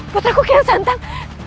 putraku kian santang